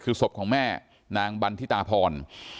คือศพของแม่นางบันทิตาพร